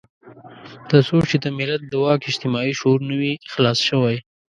تر څو چې د ملت د واک اجتماعي شعور نه وي خلاص شوی.